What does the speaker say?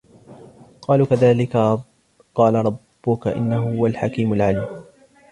قالوا كذلك قال ربك إنه هو الحكيم العليم